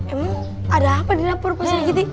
emang ada apa di dapur pas ada gitu